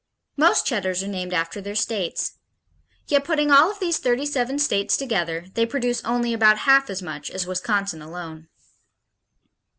Most Cheddars are named after their states. Yet, putting all of these thirty seven states together, they produce only about half as much as Wisconsin alone.